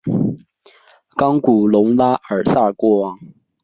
冈古农拉尔萨国王。